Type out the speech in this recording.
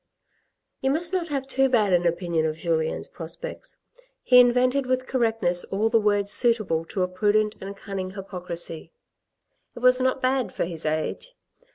You must not have too bad an opinion of Julien's prospects. He invented with correctness all the words suitable to a prudent and cunning hypocrisy. It was not bad for his age.